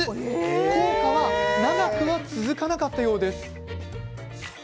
効果は長くは続かなかったようです。